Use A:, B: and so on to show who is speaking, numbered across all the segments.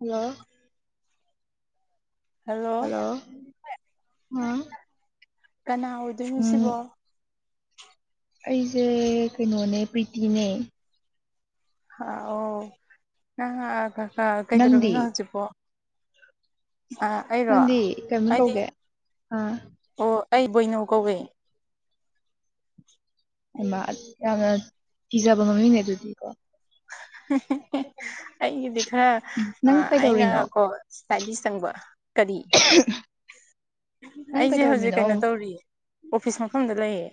A: hello
B: hello
A: ꯑꯥ
B: ꯀꯅꯥ ꯑꯣꯏꯗꯣꯏꯅꯣ
A: ꯎꯝ
B: ꯁꯤꯕꯣ
A: ꯑꯩꯁꯦ ꯀꯩꯅꯣꯅꯦ ꯄ꯭ꯔꯤꯇꯤꯅꯦ
B: ꯑ ꯑꯣ ꯅꯪ ꯀꯀꯥ
A: ꯅꯪꯗꯤ
B: ꯀꯩꯗꯧꯝꯃꯤꯅꯣ ꯍꯧꯖꯤꯛꯐꯣ ꯑ ꯑꯩꯔꯣ
A: ꯅꯪꯗꯤ ꯀꯔꯝꯃꯥꯏ
B: ꯍꯥꯏꯗꯤ
A: ꯀꯧꯒꯦ ꯑꯥ
B: ꯑꯣ ꯑꯩ ꯕꯣꯏꯅꯣ ꯀꯧꯋꯏ
A: ꯏꯃ ꯌꯥꯝꯅ ꯊꯤꯖꯕ ꯃꯃꯤꯡꯅꯦ ꯑꯗꯨꯗꯤꯀꯣ
B: ꯑꯩꯒꯤꯗꯤ ꯈꯔ
A: ꯅꯪ
B: ꯑꯩꯅ
A: ꯀꯩꯗꯧꯔꯤꯅꯣ
B: ꯀꯣ ꯁꯄꯦꯟꯗꯤꯁ ꯆꯪꯕ ꯀꯔꯤ
A: ꯅꯪ
B: ꯑꯩꯁꯦ ꯍꯧꯖꯤꯛ
A: ꯀꯩꯗꯧꯔꯝꯃꯤꯅꯣ
B: ꯀꯩꯅꯣ
A: ꯑꯣ
B: ꯇꯧꯔꯤ ꯑꯣꯐꯤꯁ ꯃꯐꯝꯗ ꯂꯩꯌꯦ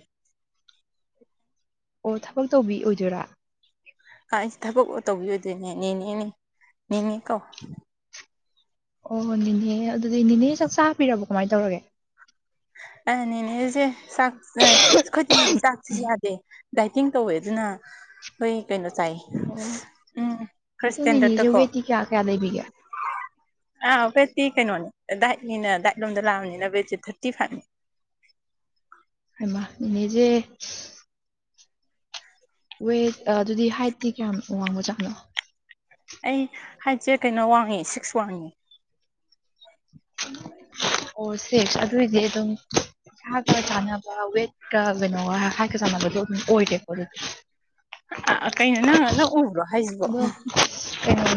A: ꯑꯣ ꯊꯕꯛ ꯇꯧꯕꯤ ꯑꯣꯏꯗꯣꯏꯔꯥ
B: ꯑꯩꯁ ꯊꯕꯛ ꯇꯧꯕꯤꯔꯗꯣꯏꯅꯦ ꯅꯦꯅꯦꯅꯦ ꯅꯦꯅꯦ ꯀꯣ
A: ꯑꯣ ꯦꯅꯦ ꯑꯗꯨꯗꯤ ꯅꯦꯅꯦ ꯆꯥꯛ ꯆꯆꯥ ꯍꯥꯞꯄꯤꯔꯕꯣ ꯀꯃꯥꯏꯅ ꯇꯧꯔꯒꯦ
B: ꯑꯅꯦꯅꯦ ꯑꯩꯁꯦ ꯆꯥꯛ ꯑꯩꯗꯤ ꯆꯥꯛꯁꯨ ꯌꯥꯗꯦ ꯗꯥꯏꯇꯤꯡ ꯇꯧꯋꯦ ꯑꯗꯨꯅ ꯑꯩ ꯀꯩꯅꯣ ꯆꯥꯏ ꯎꯝ ꯈꯔ
A: ꯑꯣ
B: ꯏꯁꯇꯦꯟꯗꯔꯠꯇꯀꯣ
A: ꯏꯅꯤꯁꯨ ꯦꯇꯤ ꯀꯌꯥ ꯀꯌꯥ ꯂꯩꯕꯤꯒꯦ
B: ꯑꯥ ꯕꯦꯠꯇꯤ ꯀꯩꯅꯣꯅꯦ ꯗꯥꯏꯠꯅꯤꯅ ꯗꯥꯏꯠ ꯂꯣꯝꯗ ꯂꯥꯛꯑꯕꯅꯤꯅ ꯕꯦꯁꯤꯤ ꯊꯥꯔꯇꯤ ꯐꯥꯏꯚꯅꯤ
A: ꯍꯥꯏꯃ ꯅꯖꯦ ꯋꯦꯠ ꯑꯗꯨꯗꯤ ꯍꯥꯏꯠꯇꯤ ꯀꯌꯥꯝ ꯋꯥꯡꯕꯖꯥꯠꯅꯣ
B: ꯑꯩ ꯍꯥꯏꯁꯦ ꯀꯩꯅꯣ ꯋꯥꯡꯉꯦ ꯁꯤꯛꯁ ꯋꯥꯡꯉꯦ
A: ꯑꯣ ꯁꯦ ꯑꯗꯨꯏꯗꯤ ꯑꯗꯨꯝ ꯏꯁꯒ ꯆꯥꯟꯅꯕ ꯋꯦꯠꯀ ꯀꯩꯅꯣꯒꯀ ꯆꯥꯟꯅꯕꯗꯣ ꯑꯗꯨꯝ ꯑꯣꯏꯗꯦꯀꯣ ꯑꯗꯨꯗꯤ
B: ꯀꯩꯅꯅꯅ ꯎꯕ
A: ꯑꯗꯣ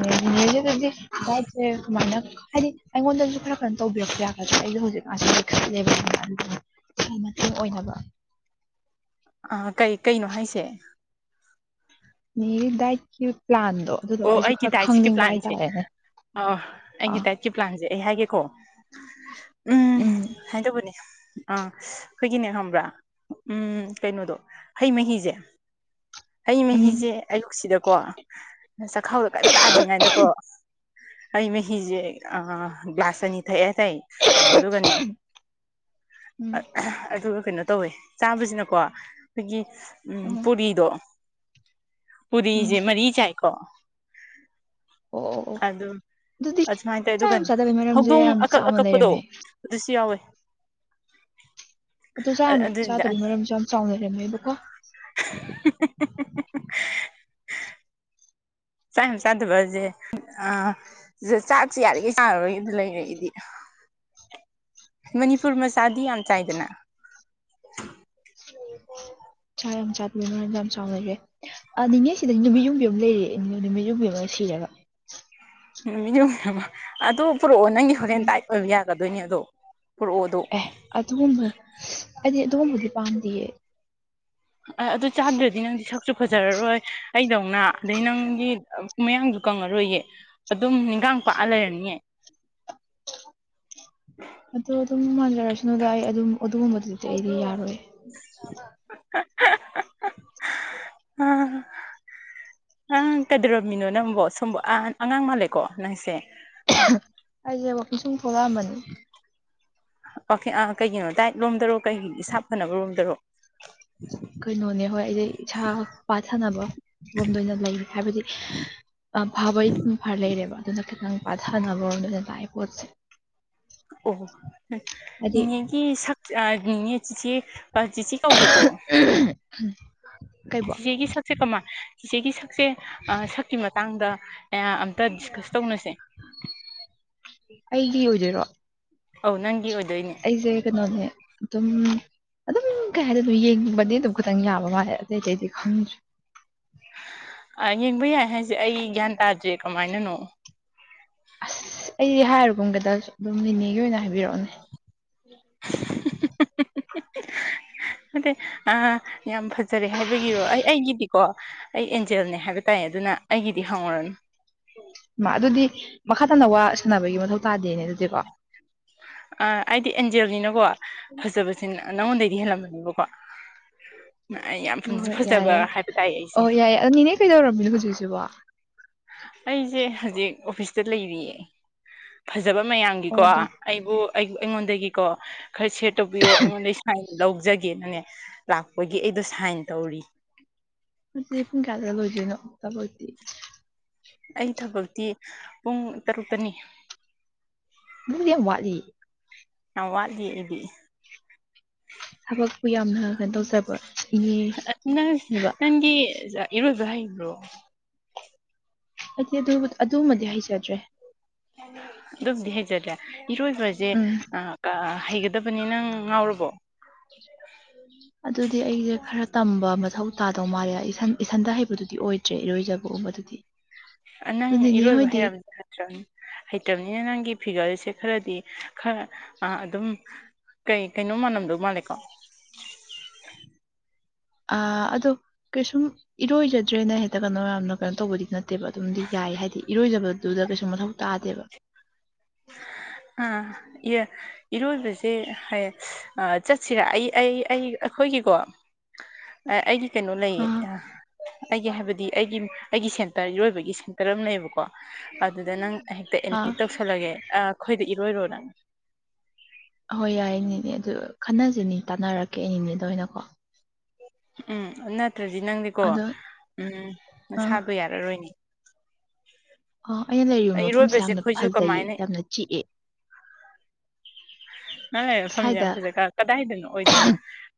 A: ꯀꯩꯅꯣꯅꯦꯗꯗꯤ ꯗꯥꯏꯠꯁꯦ ꯀꯃꯥꯏꯅ ꯍꯥꯏꯗꯤ ꯑꯩꯉꯣꯟꯗꯁꯨ ꯈꯔ ꯀꯖ ꯇꯧꯕꯤꯔꯄ ꯌꯥꯗ꯭ꯔꯦ ꯑꯩꯗꯣ ꯍꯧꯖꯤꯛ ꯑꯁꯤꯗꯤ ꯈꯜꯂꯦꯕ ꯑꯗꯨ ꯃꯇꯦꯡ ꯑꯣꯏꯅꯕ
B: ꯑ ꯀꯩ ꯀꯩꯅꯣ ꯍꯥꯏꯁꯦ
A: ꯃꯤ ꯗꯏ ꯄ꯭ꯂꯥꯟ
B: ꯑꯣ ꯑꯩꯒꯤꯗꯥꯏꯁꯤꯒꯤ ꯄ꯭ꯂꯥꯟꯁꯦ ꯑꯣ ꯑꯩꯒꯤ
A: ꯑꯥ
B: ꯇ ꯀ ꯄ꯭ꯂꯥꯟꯁꯦ ꯑꯩ ꯍꯥꯏꯒꯦꯀꯣ ꯎꯝ ꯍꯥꯏꯗꯧꯕꯅꯦ ꯑꯥ ꯑꯩꯈꯣꯏꯒꯤꯅꯦ ꯈꯪꯕ꯭ꯔꯥ ꯎꯝ ꯀꯩꯅꯣꯗꯣ ꯍꯩ ꯃꯍꯤꯁꯦ ꯍꯌꯦ
A: ꯎꯝ
B: ꯃꯍꯤꯁꯦ ꯑꯌꯨꯛꯁꯤꯗꯀꯣ ꯆꯈꯥꯎꯗ ꯀꯔꯤꯝ ꯇꯥꯗ꯭ꯔꯤꯉꯩꯗꯀꯣ ꯑꯩ ꯃꯍꯤꯁꯦ ꯑ ꯒ꯭ꯂꯥꯁ ꯑꯅꯤ ꯊꯛꯑꯦ ꯇꯥꯏ ꯑꯗꯨꯒꯅꯤ
A: ꯎꯝ
B: ꯑꯗꯨꯒ ꯀꯩꯅꯣ ꯇꯧꯋꯦ ꯆꯥꯕꯁꯤꯅꯀꯣ ꯑꯩꯈꯣꯏꯒꯤ
A: ꯎꯝ
B: ꯄꯨꯔꯤꯗꯣ
A: ꯎꯝ
B: ꯄꯨꯔꯤꯁꯦ ꯃꯔꯤ ꯆꯥꯏꯀꯣ
A: ꯑꯣ ꯑꯣ ꯑꯣ
B: ꯑ
A: ꯑꯗꯨꯗꯤ
B: ꯑꯗꯨꯁꯨꯃꯥꯏꯅ ꯇꯧꯋ
A: ꯆꯥꯛ
B: ꯑꯗꯨꯒ
A: ꯌꯥꯝ ꯆꯥꯗꯕꯩ ꯃꯔꯝꯁꯦ
B: ꯍꯧꯗꯣꯡ
A: ꯌꯥꯝ
B: ꯑꯀꯛ
A: ꯆꯥꯎꯅ
B: ꯑꯀꯛꯄꯗꯣ
A: ꯂꯩꯔꯝꯃꯦ
B: ꯁꯤ ꯌꯥꯣꯏ
A: ꯑꯗꯨ ꯆꯥ ꯆꯥꯗꯕꯕꯤ ꯃꯔꯝꯁꯨ ꯌꯥꯝ ꯆꯥꯎꯅꯔꯝꯃꯦꯣꯏꯕꯀꯣ
B: [inaudible] [inaudible] ꯆꯥꯛ ꯌꯥꯝ ꯆꯥꯗꯕꯁꯦ ꯑ ꯁꯤ ꯆꯥꯛꯁꯦ ꯌꯥꯔꯤꯈꯩ ꯆꯥꯅꯕꯒꯤ ꯑꯗꯨ ꯂꯩꯔꯦꯏꯗꯤ ꯃꯅꯤꯄꯨꯔ ꯃꯆꯥꯗꯤ ꯌꯥꯝ ꯆꯥꯏꯗꯅ
A: ꯆ ꯌꯥꯝ ꯁꯥꯠ ꯌꯥꯝ ꯌꯥꯝ ꯆꯃꯔꯦ ꯑ ꯅꯤꯡꯅꯦꯁꯤꯗ ꯅꯨꯃꯤꯠ ꯌꯨꯝꯕꯤ ꯑꯃ ꯂꯩꯔ ꯅꯨꯃꯤꯠ ꯌꯨꯝꯕꯤ ꯑꯃꯒ ꯁꯤꯔꯒ
B: ꯑꯗꯨ ꯄꯨꯔꯛꯑꯣ ꯅꯪꯒꯤ ꯍꯣꯔꯦꯟ ꯇꯥꯏꯠ ꯑꯣꯏꯕ ꯌꯥꯒꯗꯣꯏꯅꯦ ꯑꯗꯣ ꯄꯨꯔꯛꯑꯣꯗꯣ
A: ꯑꯗꯨꯒꯕ ꯍꯥꯏꯗꯤ ꯑꯨꯝꯕꯗꯤ ꯄꯥꯝꯗꯌꯦ
B: ꯑ ꯑꯗꯨ ꯆꯥꯗ꯭ꯔꯗꯤ ꯅꯪꯗꯤ ꯁꯛꯁꯨ ꯐꯖꯔꯔꯣꯏ ꯑꯩꯗꯧꯅ ꯑꯗꯩ ꯅꯪꯒꯤ ꯃꯌꯥꯡꯁꯨ ꯀꯪꯉꯔꯣꯏꯌꯦ ꯑꯗꯨꯝ ꯏꯟꯈꯥꯡ ꯄꯥꯛꯑ ꯂꯩꯔꯅꯤꯌꯦ
A: ꯑꯗꯣ ꯑꯗꯨꯝ ꯃꯥꯟꯖꯔꯁꯅꯨꯗ ꯑꯩ ꯑꯗꯨꯝ ꯑꯗꯨꯒꯨꯝꯕꯗꯨꯗꯤ ꯑꯩꯗꯤ ꯌꯥꯔꯣꯏꯌꯦ [inaudible]
B: ꯑꯣ ꯅꯪ ꯀꯩꯗꯧꯔꯝꯃꯤꯅꯣ ꯅꯪꯕꯣ ꯁꯣꯝꯕ ꯑꯉꯥꯡ ꯃꯥꯜꯂꯦꯀꯣ ꯅꯪꯁꯦ
A: ꯑꯩꯥꯏꯖꯑꯕꯇꯅ ꯁꯨꯝꯊꯣꯂꯅꯤ
B: ꯀꯩꯒꯤꯅꯣ ꯗꯥꯏꯠ ꯂꯣꯝꯗꯔꯣ ꯀꯩꯒꯤ ꯁꯥꯥꯞ ꯐꯅꯕ ꯔꯔꯣꯝꯗꯔꯣ
A: ꯀꯩꯅꯣꯅꯦ ꯍꯣꯏ ꯑꯩꯁ ꯏꯁꯥ ꯄꯥꯊꯅꯕ ꯔꯣꯝꯗ ꯑꯣꯏꯅ ꯂꯩꯔꯤ ꯍꯥꯏꯕꯗꯤ ꯐꯥꯕꯩ ꯐꯔ ꯂꯩꯔꯦꯕ ꯑꯗꯨꯅ ꯈꯤꯇꯪ ꯄꯥꯊꯅꯕꯔꯣꯝꯗꯅ ꯂꯥꯛꯑꯦ ꯄꯣꯠꯁꯦ
B: ꯑꯣ ꯎꯝ
A: ꯍꯥꯏꯗꯤ
B: ꯅꯤꯅꯦꯒꯤ ꯁꯥꯛ ꯑ ꯅꯤꯅꯦ ꯆꯤꯆꯦ ꯆꯤꯆꯦ ꯀꯧꯒꯦꯀꯣ
A: ꯀꯩꯕꯣ
B: ꯆꯤꯆꯦꯒꯤ ꯁꯛꯁꯦ ꯀꯃ ꯏꯆꯦꯒꯤ ꯁꯛꯁꯦ ꯁꯛꯀꯤ ꯃꯇꯥꯡꯗ ꯑꯝꯇ ꯗꯤꯁꯀꯁ ꯇꯧꯅꯁꯦ
A: ꯑꯩꯒꯤ ꯑꯣꯏꯖꯔꯣ
B: ꯑꯧ ꯅꯪꯒꯤ ꯑꯣꯏꯗꯣꯏꯅꯦ
A: ꯑꯩꯁꯦ ꯀꯩꯅꯣꯅꯦ ꯑꯗꯨꯝ ꯑꯗꯨꯝ ꯀꯩ ꯍꯥꯏꯗ ꯑꯗꯨꯝ ꯌꯦꯡꯕꯗꯤ ꯑꯗꯨꯝ ꯈꯤꯇꯪ ꯌꯥꯕ ꯃꯥꯜꯂꯦ ꯑꯇꯩ ꯑꯇꯩꯗꯤ ꯈꯪꯗ꯭ꯔꯦ
B: ꯑ ꯌꯦꯡꯕ ꯌꯥꯏ ꯍꯥꯏꯁꯦ ꯑꯩ ꯒ꯭ꯌꯥꯟ ꯇꯥꯗ꯭ꯔꯦ ꯀꯃꯥꯏꯅꯅꯣ
A: ꯑꯁ ꯑꯩꯗꯤ ꯍꯥꯏꯔꯨꯕꯨꯝꯒꯩꯗ ꯑꯗꯨꯝ ꯦꯅꯦꯒꯤ ꯑꯣꯏꯅ ꯍꯥꯏꯕꯤꯔꯛꯑꯣꯅꯦ
B: [inaudible]
A: [inaudible]
B: ꯑꯗ ꯑ ꯌꯥꯝ ꯐꯖꯔꯦ ꯍꯥꯏꯕꯒꯤꯔꯣ ꯑꯩ ꯑꯩꯒꯤꯗꯤꯀꯣ ꯑꯩ ꯑꯦꯟꯖꯦꯜꯅꯦ ꯍꯥꯏꯕ ꯇꯥꯏ ꯑꯗꯨꯅ ꯑꯩꯒꯤꯗꯤ ꯍꯪꯉꯨꯔꯅꯨ
A: ꯃꯥ ꯑꯗꯨꯗꯤ ꯃꯈꯥ ꯇꯥꯅ ꯋꯥ ꯁꯥꯟꯅꯕꯒꯤ ꯃꯊꯧ ꯇꯥꯗꯦꯅꯦ ꯑꯗꯨꯗꯤꯀꯣ
B: ꯑ ꯑꯩꯗꯤ ꯑꯦꯟꯖꯦꯜꯅꯤꯅꯀꯣ ꯐꯖꯕꯁꯤ ꯅꯪꯉꯣꯟꯗꯩꯗꯤ ꯍꯦꯜꯂꯝꯕꯅꯦꯕꯀꯣ
A: [inaudible] ꯍ ꯍꯣꯏ ꯌꯥꯏ ꯌꯥꯏ
B: ꯍꯥꯏꯕ ꯇꯥꯏ ꯑꯩꯁꯦ
A: ꯑꯣ ꯌꯥꯏꯑꯏ ꯑꯣ ꯅꯅꯦ ꯀꯩꯗꯧꯔꯝꯃꯤꯅꯣ ꯍꯧꯖꯤꯛꯁꯤꯕꯣ
B: ꯑꯩꯁꯦ ꯍꯧꯖꯤꯛ ꯑꯣꯐꯤꯁꯇ ꯂꯩꯔꯤꯌꯦ ꯐꯖꯕ
A: ꯑꯣ
B: ꯃꯌꯥꯝꯒꯤꯀꯣ
A: ꯑꯗꯨꯝ
B: ꯑꯩꯕꯨ ꯑꯩꯉꯣꯟꯗꯒꯤꯀꯣ ꯈꯔ ꯁꯦꯌꯔ ꯇꯧꯕꯤꯌꯣ ꯑꯩꯉꯣꯟꯗꯒꯤ ꯁꯥꯏꯟ ꯂꯧꯖꯒꯦꯅꯪꯅꯦ ꯂꯥꯛꯄꯒꯤ ꯑꯩꯗꯣ ꯁꯥꯏꯟ ꯇꯧꯔꯤ
A: ꯗꯤ ꯄꯨꯡ ꯀꯒꯥꯗ ꯂꯣꯏꯖꯣꯏꯅꯣ ꯇꯕꯗꯤ
B: ꯑꯩ ꯊꯕꯛꯇꯤ ꯄꯨꯡ ꯇꯔꯨꯛꯇꯅꯤ
A: ꯑꯗꯨꯗꯤ ꯌꯥꯝ ꯆꯥꯠꯂꯤ
B: ꯑ ꯋꯥꯠ ꯂꯤ ꯏꯕꯤ
A: ꯊꯕꯛꯄꯨ ꯌꯥꯝꯅ ꯀꯩꯅꯣ ꯇꯧꯖꯕ ꯏꯅꯦꯅꯦꯕ
B: ꯅꯪ ꯅꯪꯒꯤ ꯏꯔꯣꯖ ꯏꯕꯣ
A: ꯍꯥꯏꯗꯤ ꯑꯗꯨ ꯑꯗꯨꯃꯗꯤ ꯍꯩꯖꯗ꯭ꯔꯦ
B: ꯑꯗꯨꯝꯗꯤ ꯍꯩꯖꯗ꯭ꯔꯦ ꯏꯔꯣꯏꯕꯁꯦ
A: ꯎꯝ
B: ꯍꯩꯒꯗꯕꯅꯤ ꯅꯪ ꯉꯥꯎꯔꯕꯣ ꯎꯝ
A: ꯑꯗꯨꯗꯤ ꯑꯩꯁꯦ ꯈꯔ ꯇꯝꯕ ꯃꯊꯧ ꯇꯥꯗꯧ ꯃꯥꯜꯂꯦ ꯏꯁꯟ ꯏꯁꯟꯗ ꯍꯩꯕꯗꯨꯗꯤ ꯑꯣꯏꯗꯦ ꯆꯠꯇ꯭ꯔꯦ ꯏꯔꯣꯏꯖꯕꯣ ꯃꯗꯨꯗꯤ
B: ꯅꯪ ꯏꯔꯣꯏꯕ ꯍꯥꯏꯔꯝꯗꯤ ꯅꯠꯇ꯭ꯔꯅꯤ ꯍꯩꯇꯕꯅꯤꯅ ꯅꯪꯒꯤ ꯐꯤꯒꯔꯁꯦ ꯈꯔꯗꯤ ꯈꯔ ꯑꯗꯨꯝ ꯀꯩ ꯀꯩꯅꯣ ꯃꯥꯟꯅꯝꯗꯧ ꯃꯥꯜꯂꯦꯀꯣ
A: ꯑ ꯑꯗꯣ ꯀꯩꯁꯨꯝ ꯏꯔꯣꯏꯖꯗ꯭ꯔꯦꯅ ꯍꯦꯛꯇ ꯀꯩꯅꯣ ꯃꯌꯥꯝꯅ ꯀꯩꯅꯣ ꯇꯧꯕꯗꯤ ꯅꯠꯇꯦꯕ ꯑꯗꯨꯝꯗꯤ ꯌꯥꯏ ꯍꯥꯏꯗꯤ ꯏꯔꯣꯏꯖꯕꯗꯨꯗ ꯀꯩꯁꯨ ꯃꯊꯧ ꯇꯥꯗꯦꯕ
B: ꯑ ꯏꯔꯣꯏꯕꯁꯦ ꯍꯥꯏꯌꯦ ꯆꯠꯁꯤꯔꯥ ꯑꯩ ꯑꯩ ꯑꯩ ꯑꯩꯈꯣꯏꯒꯤꯀꯣ ꯑꯩꯒꯤ ꯀꯩꯅꯣ ꯂꯩꯌꯦ
A: ꯑꯥ
B: ꯑꯩꯒꯤ ꯍꯥꯏꯕꯗꯤ ꯑꯩꯒꯤ ꯑꯩꯒꯤ ꯁꯦꯟꯇꯔ ꯏꯔꯣꯏꯕꯒꯤ ꯁꯦꯟꯇꯔ ꯑꯃ ꯂꯩꯌꯦꯕꯀꯣ ꯑꯗꯨꯗ ꯅꯪ ꯍꯦꯛꯇ
A: ꯑꯥ
B: ꯑꯦꯠꯃꯤꯠ ꯇꯧꯁꯜꯂꯒꯦ ꯑꯩꯈꯣꯏꯗ ꯏꯔꯣꯏꯔꯣ ꯅꯪ
A: ꯑꯍꯣꯏ ꯌꯥꯏꯅꯦꯅꯦ ꯑꯗꯨ ꯈꯟꯅꯁꯤꯅꯤ ꯇꯥꯟꯅꯔꯛꯀꯦ ꯑꯩꯅꯤꯅꯦꯗ ꯑꯣꯏꯅꯀꯣ
B: ꯎꯝ ꯑꯗꯨ ꯅꯠꯇ꯭ꯔꯗꯤ ꯅꯪꯗꯤꯀꯣ
A: ꯑꯗꯣ
B: ꯎꯝ
A: ꯑꯥ
B: ꯅꯁꯥꯗꯣ ꯌꯥꯔꯔꯣꯏꯅꯦ
A: ꯑ ꯑꯩꯅ ꯂꯩꯔꯤꯕ ꯃꯐꯝꯁꯦ
B: ꯏꯔꯣꯏꯕꯁꯦ
A: ꯌꯥꯝꯅ
B: ꯑꯩꯈꯣꯏꯁꯨ
A: ꯐꯖꯩꯌꯦ
B: ꯀꯃꯥꯏꯅ
A: ꯌꯥꯝꯅ ꯆꯤꯛꯑꯦ
B: ꯅꯪꯅ ꯂꯩ ꯐꯝꯖꯦ
A: ꯁ꯭ꯋꯥꯏꯗ
B: ꯌꯥꯝ ꯐꯖꯩ ꯀꯥꯏ ꯀꯗꯥꯏꯗꯅꯣ ꯑꯣꯏꯗꯣꯏꯅꯣ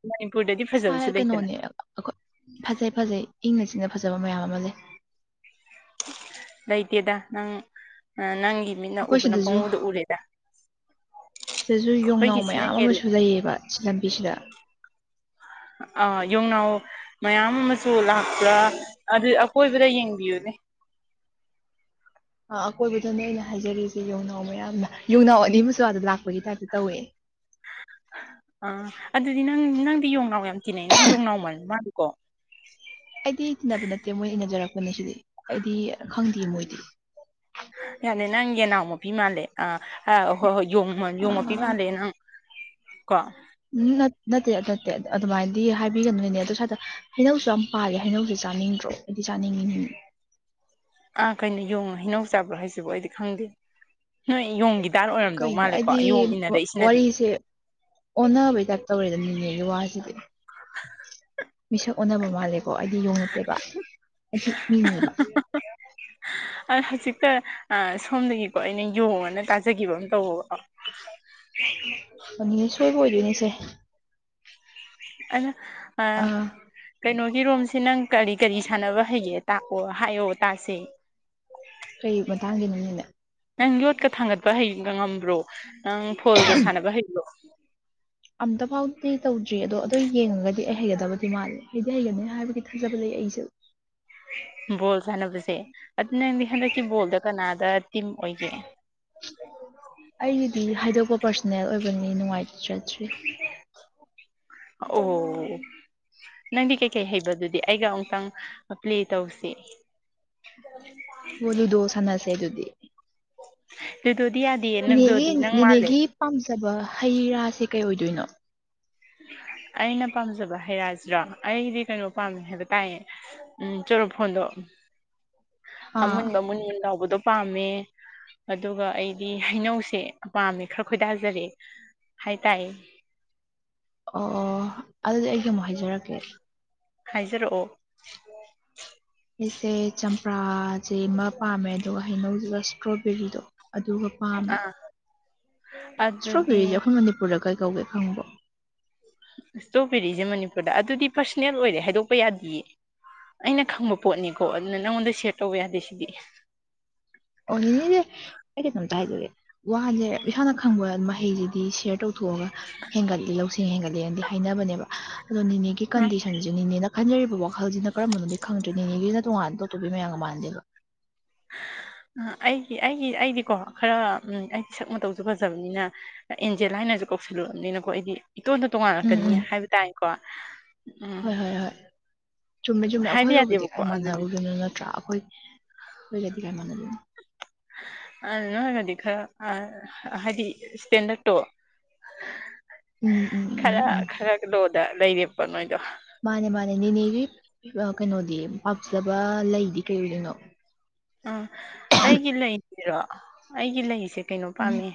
B: ꯃꯅꯤꯄꯨꯔꯗꯗꯤ
A: ꯁꯥꯏ
B: ꯐꯖꯕꯁꯨ ꯂꯩꯇꯅ
A: ꯀꯩꯅꯣꯅꯦ ꯑꯩꯈꯣꯏ ꯐꯖꯩ ꯐꯖꯩ ꯏꯪꯅ ꯆꯤꯛꯅ ꯐꯖꯕ ꯃꯌꯥꯝ ꯑꯃ ꯂꯩ
B: ꯂꯩꯇꯦꯗ ꯅꯪ ꯑ ꯅꯪꯒꯤ ꯃꯤꯠꯅ
A: ꯑꯩꯈꯣꯏ
B: ꯎꯕꯅ
A: ꯁꯤꯗꯖꯨ
B: ꯄꯪꯎꯗ ꯎꯔꯦꯗ
A: ꯁꯤꯗꯖꯨ ꯌꯣꯡꯅꯥꯎ
B: ꯑꯩꯈꯣꯏꯒꯤꯁꯤꯅ
A: ꯃꯌꯥꯝ
B: ꯍꯦꯜꯂꯦ
A: ꯑꯃꯁꯨ ꯂꯩꯌꯦꯕ ꯁꯤ ꯂꯝꯕꯤꯁꯤꯗ
B: ꯑꯥ ꯌꯣꯡꯅꯥꯎ ꯃꯌꯥꯝ ꯑꯃꯁꯨ ꯂꯥꯛꯄ꯭ꯔꯥ ꯑꯗꯨ ꯑꯀꯣꯏꯕꯗ ꯌꯦꯡꯕꯤꯌꯨꯅꯦ
A: ꯑ ꯑꯀꯣꯏꯕꯗꯅꯦ ꯑꯩꯅ ꯍꯥꯏꯖꯔꯤꯖꯦ ꯌꯣꯡꯅꯥꯎ ꯃꯌꯥꯝꯅ ꯃꯥ ꯌꯣꯡꯅꯥꯎ ꯑꯅꯤ ꯑꯃꯁꯨ ꯑꯥꯗꯥ ꯂꯥꯛꯄꯒꯤ ꯇꯥꯏꯞꯇ ꯇꯧꯋꯦ
B: ꯑꯥ ꯑꯗꯨꯗꯤ ꯅꯪ ꯅꯪꯗꯤ ꯌꯣꯡꯅꯥꯎ ꯌꯥꯝ ꯇꯤꯟꯅꯩ ꯅꯪ ꯌꯣꯡꯅꯥꯎ ꯃꯥꯟꯗꯤ ꯃꯥꯜꯂꯤꯀꯣ
A: ꯑꯩꯗꯤ ꯇꯤꯟꯅꯕ ꯅꯠꯇꯦ ꯃꯣꯏ ꯏꯅꯖꯔꯛꯄꯅꯦ ꯁꯤꯗꯤ ꯑꯩꯗꯤ ꯈꯪꯗꯦ ꯃꯣꯏꯗꯤ
B: ꯌꯥꯅꯦ ꯅꯪ ꯌꯦꯟꯅꯥꯎ ꯃꯄꯤ ꯃꯥꯜꯂꯦ ꯑ ꯑ ꯍꯣꯏ ꯍꯣꯏ ꯌꯣꯡ ꯌꯣꯡ ꯃꯄꯤ ꯃꯥꯜꯂꯦ ꯅꯪ ꯀꯣ
A: ꯎꯝ ꯅꯠꯇꯦ ꯅꯠꯇꯦ ꯑꯗꯨꯃꯥꯏꯅꯗꯤ ꯍꯥꯏꯕꯤꯒꯅꯣꯏꯅꯦ ꯑꯗꯨ ꯁꯥꯏꯗ ꯍꯩꯅꯧꯁꯨ ꯌꯥꯝ ꯄꯥꯜꯂꯦ ꯍꯩꯅꯧꯁꯨ ꯆꯥꯅꯤꯡꯗ꯭ꯔꯣ ꯑꯩꯗꯤ ꯆꯥꯅꯤꯡꯉꯤ
B: ꯑꯥ ꯀꯩꯅꯣ ꯌꯣꯡꯅ ꯍꯩꯅꯧ ꯆꯥꯕ꯭ꯔꯣ ꯍꯥꯏꯁꯤꯕꯨ ꯑꯩꯗꯤ ꯈꯪꯗꯦ ꯅꯣꯏ ꯌꯣꯡꯒꯤ ꯗꯥꯔ ꯑꯣꯏꯔꯝꯗꯧ
A: ꯀꯩꯅꯣ
B: ꯃꯥꯜꯂꯦꯀꯣ
A: ꯑꯩꯗꯤ
B: ꯌꯣꯡ ꯏꯅꯔꯛꯏꯁꯤꯅꯗꯤ
A: ꯋꯥꯔꯤꯁꯦ ꯑꯣꯟꯅꯕꯩ ꯇꯥꯏꯞ ꯇꯧꯔꯦꯗ ꯅꯦꯅꯦꯒꯤ ꯋꯥꯁꯤꯗꯤ ꯃꯤꯁꯛ ꯑꯣꯟꯅꯕ ꯃꯥꯜꯂꯦꯀꯣ ꯑꯩꯗꯤ ꯌꯣꯡ ꯅꯠꯇꯦꯕ ꯑꯩꯁꯨ ꯃꯤꯅꯦꯕ
B: ꯑ ꯍꯧꯖꯤꯛꯇ ꯑ ꯁꯣꯝꯗꯒꯤꯀꯣ ꯑꯩꯅ ꯌꯣꯡꯑꯅꯥ ꯇꯥꯖꯒꯤꯕ ꯑꯃ [unintelligible]
A: ꯑ ꯅꯤꯅꯦ ꯁꯣꯏꯕ ꯑꯣꯏꯗꯣꯏꯅꯤꯁꯦ
B: ꯑꯩꯅ ꯑ
A: ꯑꯥ
B: ꯀꯩꯅꯣꯒꯤ ꯔꯣꯝꯁꯦ ꯅꯪ ꯀꯔꯤ ꯀꯔꯤ ꯁꯥꯟꯅꯕ ꯍꯩꯒꯦ ꯇꯥꯛꯑꯣ ꯍꯥꯏꯌꯣ ꯇꯥꯁꯦ
A: ꯀꯩ ꯃꯇꯥꯡꯒꯤꯅꯣ ꯅꯤꯅꯦ
B: ꯅꯪ ꯌꯣꯠꯀ ꯊꯥꯡꯒꯠꯄ ꯍꯩ ꯉꯝꯕ꯭ꯔꯣ ꯅꯪ ꯐꯣꯜꯒ ꯁꯥꯟꯅꯕ ꯍꯩꯕ꯭ꯔꯣ
A: ꯑꯝꯇ ꯐꯥꯎꯗꯤ ꯇꯧꯗ꯭ꯔꯤ ꯑꯗꯣ ꯑꯗꯨꯣ ꯌꯦꯡꯉꯒꯗꯤ ꯑꯩ ꯍꯩꯒꯗꯕꯗꯤ ꯃꯥꯜꯂꯦ ꯑꯩꯗꯤ ꯍꯩꯒꯅꯤ ꯍꯥꯏꯕꯒꯤ ꯊꯥꯖꯕ ꯂꯩ ꯑꯩꯖꯨ
B: ꯕꯣꯜ ꯁꯥꯟꯅꯕꯖꯦ ꯑꯗꯨ ꯅꯪꯗꯤ ꯍꯟꯗꯛꯀꯤ ꯕꯣꯜꯗ ꯀꯅꯥꯗ ꯇꯤꯝ ꯑꯣꯏꯒꯦ
A: ꯑꯩꯒꯤꯗꯤ ꯍꯥꯏꯗꯣꯛꯄ ꯄꯥꯔꯁꯣꯅꯦꯜ ꯑꯣꯏꯕꯅꯤ ꯅꯨꯡꯉꯥꯏꯇ꯭ꯔꯦ
B: ꯑꯣ ꯅꯪꯗꯤ ꯀꯩꯀꯩ ꯍꯩꯕꯗꯨꯗꯤ ꯑꯩꯒ ꯑꯃꯇꯪ ꯄ꯭ꯂꯦ ꯇꯧꯁꯦ
A: [unintelligible] ꯂꯨꯗꯣ ꯁꯥꯟꯅꯁꯦ ꯑꯗꯨꯗꯤ
B: ꯂꯨꯗꯣꯗꯤ ꯌꯥꯗꯤꯌꯦ
A: ꯅꯦꯅꯦꯒꯤ
B: ꯂꯨꯗꯣꯗꯤ ꯅꯪ ꯃꯥꯜꯂꯦ
A: ꯅꯦꯅꯦꯒꯤ ꯄꯥꯝꯖꯕ ꯍꯩ ꯔꯥꯁꯦ ꯀꯩ ꯑꯣꯏꯗꯣꯏꯅꯣ
B: ꯑꯩꯅ ꯄꯥꯝꯖꯕ ꯍꯩ ꯔꯥꯁꯤꯔꯣ ꯑꯩꯗꯤ ꯀꯩꯅꯣ ꯄꯥꯝꯃꯦ ꯍꯥꯏꯕ ꯇꯥꯏꯌꯦ ꯎꯝ ꯆꯨꯔꯨ ꯐꯣꯟꯗꯨ
A: ꯑꯥ
B: ꯑꯃꯨꯟꯕ ꯃꯨꯟꯃꯨꯟ ꯂꯥꯎꯕꯗꯣ ꯄꯥꯝꯃꯦ ꯑꯗꯨꯒ ꯑꯩꯗꯤ ꯍꯩꯅꯧꯁꯦ ꯄꯥꯝꯃꯦ ꯈꯔ ꯈꯣꯏꯗꯥꯖꯔꯦ ꯍꯥꯏ ꯇꯥꯏꯌꯦ
A: ꯑꯣ ꯑꯣ ꯑꯗꯨꯗꯤ ꯑꯩꯒꯤ ꯑꯃꯨꯛ ꯍꯥꯏꯖꯔꯛꯀꯦ
B: ꯍꯥꯏꯖꯔꯛꯑꯣ
A: ꯑꯩꯁꯦ ꯆꯝꯄ꯭ꯔꯥ ꯖꯤꯃ ꯄꯥꯝꯃꯦ ꯑꯗꯨꯒ ꯍꯩꯅꯧꯖꯤꯒ ꯏꯁꯇ꯭ꯔꯣꯕꯦꯔꯤꯗꯣ ꯑꯗꯨꯒ
B: ꯑꯥ
A: ꯏꯁꯇ꯭ꯔꯣꯕꯦꯔꯤꯖꯦ
B: ꯑꯗꯨꯗꯤ
A: ꯑꯩꯈꯣꯏ ꯃꯅꯤꯄꯨꯔꯗ ꯀꯩ ꯀꯧꯒꯦ ꯈꯪꯕꯣ
B: ꯏꯁꯇ꯭ꯔꯣꯕꯦꯔꯤꯖꯦ ꯃꯅꯤꯄꯨꯔꯗ ꯑꯗꯨꯗꯤ ꯄꯔꯁꯣꯅꯦꯜ ꯑꯣꯏꯔꯦ ꯍꯥꯏꯗꯣꯛꯄ ꯌꯥꯗꯤꯌꯦ ꯑꯩꯅ ꯈꯪꯕ ꯄꯣꯠꯅꯤꯀꯣ ꯑꯗꯨꯅ ꯅꯪꯉꯣꯟꯗ ꯁꯦꯌꯔ ꯇꯧꯕ ꯌꯥꯗꯦ ꯁꯤꯗꯤ
A: ꯑꯣ ꯅꯤꯅꯦꯖꯦ ꯑꯩ ꯀꯩꯅꯣꯝꯇ ꯍꯥꯏꯖꯒꯦ ꯋꯥꯖꯦ ꯏꯁꯥꯅ ꯈꯪꯕ ꯃꯍꯩꯖꯤꯗꯤ ꯁꯦꯌꯔ ꯇꯧ ꯂꯧꯊꯣꯛꯑꯒ ꯍꯦꯟꯒꯠꯂꯤ ꯂꯧꯁꯤꯡ ꯍꯦꯟꯒꯠꯂꯤꯅꯗꯤ ꯍꯥꯏꯅꯕꯅꯦꯕ ꯑꯗꯣ ꯅꯤꯅꯦꯒꯤ
B: ꯑ
A: ꯀꯟꯗꯤꯁꯟꯖꯤ ꯅꯤꯅꯦꯅ ꯈꯟꯖꯔꯤꯕ ꯋꯥꯈꯜꯖꯤꯅ ꯀꯔꯝꯕꯅꯣꯗꯤ ꯈꯪꯗ꯭ꯔꯦ ꯅꯤꯅꯦꯒꯤꯖꯤꯅ ꯇꯣꯉꯥꯟꯕ ꯇꯣꯇꯣꯞꯄꯤ ꯃꯌꯥꯝꯒ ꯃꯥꯟꯅꯗꯦꯕ
B: ꯑ ꯑꯩꯒꯤ ꯑꯩꯒꯤ ꯑꯩꯗꯤꯀꯣ ꯈꯔ ꯎꯝ ꯑꯩꯗꯤ ꯁꯛ ꯃꯇꯧꯖꯨ ꯐꯖꯕꯅꯤꯅ ꯑꯦꯟꯖꯦꯂꯥ ꯍꯥꯏꯅꯖꯨ ꯀꯧꯁꯤꯜꯂꯨꯔꯕꯅꯤꯅꯀꯣ ꯑꯩꯗꯤ ꯏꯇꯣꯟꯇ
A: ꯎꯝ
B: ꯇꯣꯉꯥꯜꯂꯛꯀꯅꯤ
A: ꯎꯝ
B: ꯍꯥꯏꯕ ꯇꯥꯏꯀꯣ ꯎꯝ
A: ꯍꯣꯏ ꯍꯣꯏ ꯍꯣꯏ ꯆꯨꯝꯃꯦ ꯆꯨꯝꯃꯦ
B: ꯍꯥꯏꯕ
A: ꯑꯩꯈꯣꯏꯒꯕꯨꯗꯤ
B: ꯌꯥꯗꯦꯕꯀꯣ
A: ꯀꯥꯏ
B: ꯑꯗꯨꯅꯤ
A: ꯃꯥꯟꯅꯔꯨꯗꯣꯏꯅꯣ ꯅꯠꯇ꯭ꯔꯥ ꯑꯩꯈꯣꯏ ꯑꯩꯈꯣꯏꯒꯗꯤ ꯀꯥꯏ ꯃꯥꯟꯅꯔꯨꯅꯤ
B: ꯑ ꯅꯣꯏꯅꯗꯤ ꯈꯔ ꯑ ꯍꯥꯏꯗꯤ ꯏꯁꯇꯦꯟꯗꯔꯠꯇꯣ
A: ꯎꯝ ꯎꯝ ꯎꯝ
B: ꯈꯔ
A: ꯎꯝ
B: ꯈꯔ ꯂꯣꯗ ꯂꯩꯔꯦꯞꯄ ꯅꯣꯏꯗꯣ
A: ꯃꯥꯅꯦ ꯃꯥꯅꯦ ꯅꯦꯅꯦꯒꯤ ꯀꯩꯅꯣꯗꯤ ꯄꯥꯝꯖꯂꯕ ꯂꯩꯗꯤ ꯀꯩ ꯑꯣꯏꯗꯣꯏꯅꯣ
B: ꯑꯥ ꯑꯩꯒꯤ ꯂꯩꯁꯤꯔꯣ ꯑꯩꯒꯤ ꯂꯩꯁꯦ ꯀꯩꯅꯣ
A: ꯎꯝ
B: ꯄꯥꯝꯃꯦ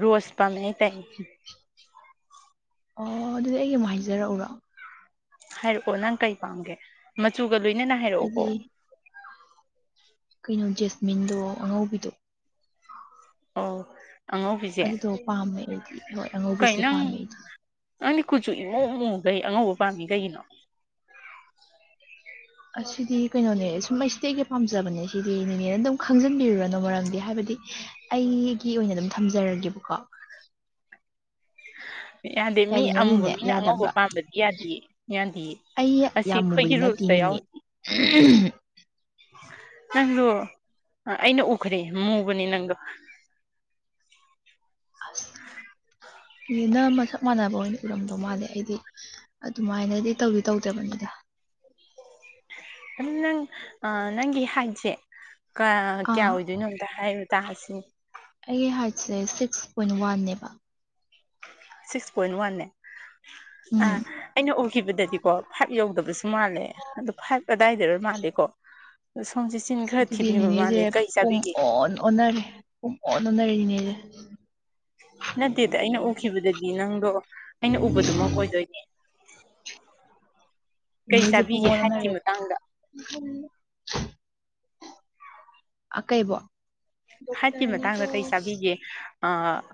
B: ꯔꯣꯁ ꯄꯥꯝꯃꯦ ꯍꯥꯏꯇꯥꯏꯌꯦ
A: ꯑꯣ ꯑꯗꯨꯗꯤ ꯑꯩꯒꯤ ꯑꯃꯨꯛ ꯍꯥꯏꯖꯔꯛꯎꯔꯣ
B: ꯍꯥꯏꯔꯛꯑꯣ ꯅꯪ ꯀꯩ ꯄꯥꯝꯒꯦ ꯃꯆꯨꯒ ꯂꯣꯏꯅꯅ ꯍꯥꯏꯔꯛꯑꯣꯀꯣ
A: ꯑꯩꯗꯤ ꯀꯩꯅꯣ ꯖꯦꯁꯃꯤꯟꯗꯣ ꯑꯉꯧꯕꯤꯗꯣ
B: ꯑꯣ ꯑꯉꯧꯕꯤꯁꯦ
A: ꯑꯗꯨꯗꯣ ꯄꯥꯝꯃꯦ ꯑꯩꯗꯤ ꯍꯣꯏ
B: ꯀꯩ
A: ꯑꯉꯧꯕꯤꯁꯦ
B: ꯅꯪ
A: ꯄꯥꯝꯃꯦ ꯑꯩꯗꯤ
B: ꯅꯪꯗꯤ ꯀꯨꯆꯨ ꯏꯃꯨ ꯑꯃꯃꯨꯈꯩ ꯑꯉꯧꯕ ꯄꯥꯝꯃꯤ ꯀꯩꯒꯤꯅꯣ
A: ꯑꯁꯤꯗꯤ ꯀꯩꯅꯣꯅꯦ ꯁꯨꯝ ꯑꯩ ꯁꯤꯗꯤ ꯑꯩꯒ ꯄꯥꯝꯖꯕꯅꯦ ꯁꯤꯗꯤ ꯅꯤꯅꯦꯅ ꯑꯗꯨꯝ ꯈꯪꯖꯟꯕꯤꯔꯨꯔꯅꯣ ꯃꯔꯝꯗꯤ ꯍꯥꯏꯕꯗꯤ ꯑꯩꯒꯤ ꯑꯣꯏꯅ ꯑꯗꯨꯝ ꯊꯝꯖꯔꯒꯦꯕꯀꯣ
B: ꯌꯥꯗꯦ ꯃꯤ ꯑꯃꯨꯕ
A: ꯌꯥꯏꯗꯅꯅꯤꯅꯦ
B: ꯃꯤꯅ ꯑꯉꯧꯕ
A: ꯌꯥꯗꯕ꯭ꯔꯥ
B: ꯄꯥꯝꯕꯗꯤ ꯌꯥꯗꯦ ꯌꯥꯗꯦꯌꯦ
A: ꯑꯩ
B: ꯑꯁꯤ
A: ꯌꯥꯝ ꯃꯨꯕꯗꯤ
B: ꯑꯩꯈꯣꯏꯒꯤ
A: ꯅꯠꯇꯤꯌꯦ
B: ꯔꯨꯜꯁꯇ
A: ꯅꯤꯅꯦ
B: ꯅꯪꯗ ꯑꯩꯅ ꯎꯈ꯭ꯔꯦ ꯃꯨꯕꯅꯤ ꯅꯪꯗꯣ
A: ꯑꯁ ꯅꯤꯅꯦꯅ ꯃꯁꯛ ꯃꯥꯟꯅꯕ ꯑꯣꯏꯅ ꯎꯔꯝꯗꯧ ꯃꯥꯜꯂꯦ ꯑꯩꯗꯤ ꯑꯗꯨꯃꯥꯏꯅꯗꯤ ꯇꯧꯗꯤ ꯇꯧꯗꯕꯅꯤꯗ
B: ꯑꯗꯨ ꯅꯪ ꯅꯪꯒꯤ ꯍꯥꯏꯠꯁꯦ ꯀꯌꯥ
A: ꯑꯥ
B: ꯑꯣꯏꯗꯣꯏꯅꯣ ꯑꯝꯇ ꯍꯥꯏ ꯇꯥꯁꯤ
A: ꯑꯩꯒꯤ ꯍꯥꯏꯠꯁꯦ ꯁꯤꯛꯁ ꯄꯣꯏꯟ ꯋꯥꯟꯅꯦꯕ
B: ꯁꯤꯛꯁ ꯄꯣꯏꯟꯠ ꯋꯥꯟꯅꯦ ꯑ
A: ꯎꯝ
B: ꯑꯩꯅ ꯎꯈꯤꯕꯗꯗꯤꯀꯣ ꯐꯥꯏꯚ ꯌꯧꯗꯕꯁꯨ ꯃꯥꯜꯂꯦ ꯑꯗꯨꯣ ꯐꯥꯏꯚ ꯀꯗꯥꯏꯗꯅꯣ ꯃꯥꯜꯂꯤꯀꯣ [unintelligible]
A: ꯑꯗꯨꯗꯤ ꯅꯦꯅꯦꯁꯦ
B: ꯃꯥꯜꯂꯦ ꯀꯩ
A: ꯄꯨꯝ
B: ꯆꯥꯕꯤꯒꯦ
A: ꯑꯣꯟ ꯑꯣꯟꯅꯔꯦ ꯄꯨꯝ ꯑꯣꯟ ꯑꯣꯟꯅꯔꯦ ꯅꯦꯅꯦꯁꯦ
B: ꯅꯠꯇꯦꯗ ꯑꯩꯅ ꯎꯈꯤꯕꯗꯗꯤ ꯅꯪꯗꯣ ꯑꯩꯅ ꯎꯕꯗꯨꯃꯛ ꯑꯣꯏꯗꯣꯏꯅꯦ ꯀꯩ
A: ꯅꯤꯅꯦ
B: ꯆꯥꯕꯤꯒꯦ
A: ꯄꯨꯡꯑꯣꯟ
B: ꯍꯥꯏꯠꯀꯤ
A: ꯑꯣꯟꯅꯔꯦ
B: ꯃꯇꯥꯡꯗ
A: ꯑꯥ ꯀꯩꯕꯣ
B: ꯍꯥꯏꯠꯀꯤ ꯃꯇꯥꯡꯗ ꯀꯔꯤ ꯆꯥꯕꯤꯒꯦ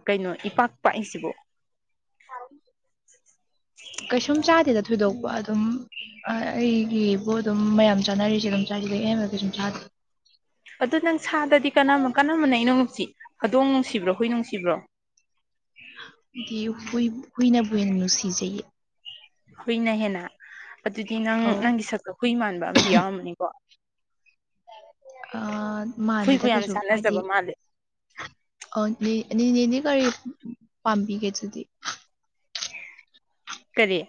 B: ꯀꯩꯅꯣ ꯏꯄꯥꯛ ꯄꯥꯛꯏꯁꯤꯕꯨ
A: [unintelligible]
B: [unintelligible]
A: ꯀꯩꯁꯨꯝ ꯆꯥꯗꯦꯗ ꯊꯣꯏꯗꯣꯛꯄ ꯑꯗꯨꯝ ꯑꯩꯒꯤꯕꯨ ꯑꯗꯨꯝ ꯃꯌꯥꯝ ꯆꯥꯅꯔꯤꯁꯦ ꯑꯗꯥꯒꯝ ꯑꯍꯦꯟꯕ ꯀꯩꯁꯨꯝ ꯆꯥꯗꯦ
B: ꯑꯗꯨꯗ ꯅꯪ ꯁꯥꯗꯗꯤ ꯀ ꯀꯅꯥꯃꯅ ꯅꯣꯡꯉꯨꯞꯁꯤ ꯑꯗꯣꯡ ꯅꯨꯡꯁꯤꯕ꯭ꯔꯣ ꯍꯨꯏ ꯅꯨꯡꯁꯤꯕ꯭ꯔꯣ
A: ꯍꯨꯢ ꯍꯨꯏꯅꯕꯨꯨꯅ ꯍꯦꯟꯅ ꯅꯨꯡꯁꯤꯖꯩꯌꯦ
B: ꯍꯨꯏꯅ ꯍꯦꯟꯅ ꯑꯗꯨꯗꯤ ꯅꯪ
A: ꯑꯧ
B: ꯅꯪꯒꯤ ꯁꯛꯇꯨ ꯍꯨꯏ ꯃꯥꯟꯕ ꯑꯃꯗꯤ ꯌꯥꯎꯔꯝꯃꯅꯤꯀꯣ
A: ꯑꯥ
B: ꯍꯨꯏꯕꯨ
A: ꯃꯗꯦꯗ
B: ꯌꯥꯝ
A: ꯀꯩꯁꯨ ꯍꯥꯏꯗꯤ
B: ꯆꯥꯟꯅꯖꯕ ꯃꯥꯜꯂꯦ
A: ꯑ ꯅꯦꯗꯤ ꯀꯒꯥꯔꯤ ꯄꯥꯝꯕꯤꯒꯦ ꯑꯗꯨꯗꯤ
B: ꯀꯔꯤ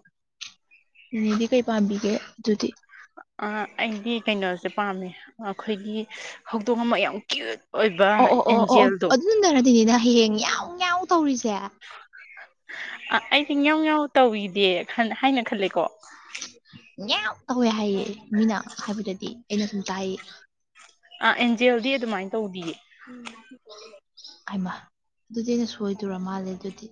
A: ꯅꯗꯤ ꯀꯩ ꯄꯥꯝꯕꯤꯒꯦ ꯑꯗꯨꯗꯤ
B: ꯑꯩꯗꯤ ꯀꯩꯅꯣꯁꯦ ꯄꯥꯝꯃꯦ ꯑꯩꯈꯣꯏꯒꯤ ꯍꯧꯗꯣꯡ ꯑꯃ ꯌꯥꯝ ꯀ꯭ꯌꯨꯠ__ ꯑꯣꯏꯕ ꯑꯦꯟꯖꯦꯜꯗꯣ
A: ꯑꯗꯨꯟꯟꯅꯔꯗꯤꯅꯤꯅ ꯍꯌꯦꯡ ꯌꯥꯎ ꯌꯥꯎ ꯇꯧꯔꯤꯁꯦ
B: ꯑ ꯑꯩꯗꯤ ꯉꯧ ꯉꯎ ꯇꯧꯏꯗꯦ ꯍꯥꯏꯅ ꯈꯜꯂꯦꯀꯣ
A: ꯌꯥꯝ ꯇꯧꯋꯦ ꯍꯥꯏꯌꯦꯦ ꯃꯤꯅ ꯍꯥꯏꯕꯗꯗꯤ ꯑꯩꯅ ꯁꯨꯝ ꯇꯥꯏꯌꯦ
B: ꯑ ꯑꯦꯟꯖꯦꯜꯗꯤ ꯑꯗꯨꯃꯥꯏꯅ ꯇꯧꯗꯤꯌꯦ
A: ꯑꯃ ꯑꯗꯨꯗꯤ ꯑꯩꯅ ꯁꯣꯏꯗꯔ ꯃꯥꯜꯂꯦ ꯑꯗꯨꯗꯤ